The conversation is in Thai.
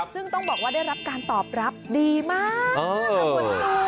ซึ่งต้องบอกว่าได้รับการตอบรับดีมาก